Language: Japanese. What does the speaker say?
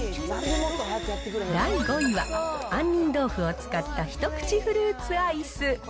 第５位は、杏仁豆腐を使った一口フルーツアイス。